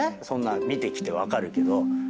そんな見てきて分かるけど。